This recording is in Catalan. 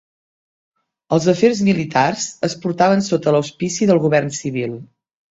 Els afers militars es portaven sota l'auspici del govern civil.